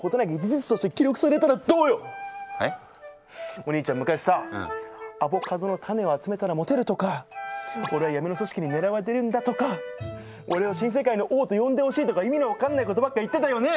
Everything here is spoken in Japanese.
お兄ちゃん昔さ「アボカドのタネを集めたらモテる」とか「俺は闇の組織に狙われてるんだ」とか「俺を新世界の王と呼んでほしい」とか意味の分かんないことばっか言ってたよね。